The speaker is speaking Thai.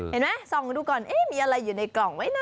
เห็นไหมส่องดูก่อนมีอะไรอยู่ในกล่องไหมนะ